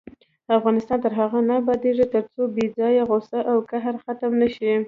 افغانستان تر هغو نه ابادیږي، ترڅو بې ځایه غوسه او قهر ختم نشي.